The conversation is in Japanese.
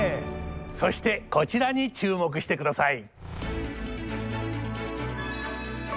そしてこちらに注目してください！